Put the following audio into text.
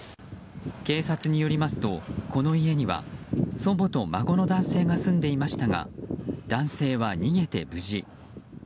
警察によりますとこの家には祖母と孫の男性が住んでいましたが男性は逃げて無事。